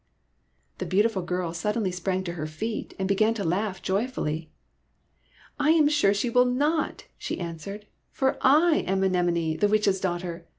" The beautiful girl suddenly sprang to her feet and began to laugh joyfully. " I am sure she will not," she answered, '' for / am Anemone, the Witch's daughter.